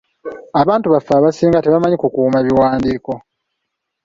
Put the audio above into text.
Abantu baffe abasinga tebamanyi kukuuma biwandiiko.